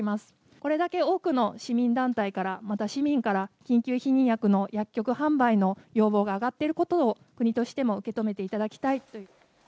これだけ多くの市民団体から、また市民から緊急避妊薬の薬局販売の要望が上がっていることを国としても受け止めていただきたいと。